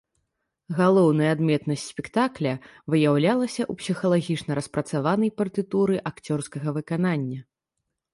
Галоўная адметнасць спектакля выяўлялася ў псіхалагічна распрацаванай партытуры акцёрскага выканання.